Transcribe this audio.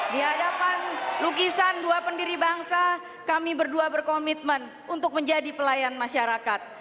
di hadapan lukisan dua pendiri bangsa kami berdua berkomitmen untuk menjadi pelayan masyarakat